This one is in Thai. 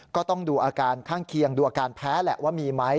ก็ต้องดูอาการข้างเคียงดูอาการแพ้แหละว่ามีไหม